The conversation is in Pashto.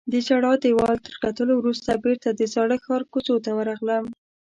د ژړا دیوال تر کتلو وروسته بیرته د زاړه ښار کوڅو ته ورغلم.